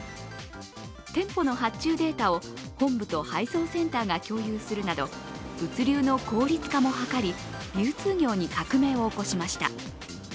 店舗の発注データを本部と配送センターが共有するなど物流の効率化も図り、流通業に革命を起こしました。